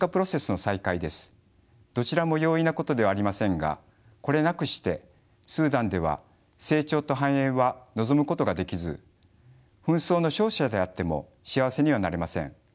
どちらも容易なことではありませんがこれなくしてスーダンでは成長と繁栄は望むことができず紛争の勝者であっても幸せにはなれません。